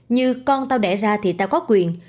như con tao đẻ ra thì tao có quyền